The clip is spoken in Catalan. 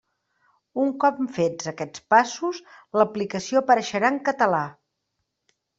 Un cop fets aquests passos, l'aplicació apareixerà en català.